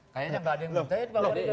kayaknya gak ada yang mencari